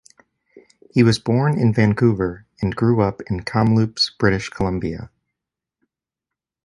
He was born in Vancouver and grew up in Kamloops, British Columbia.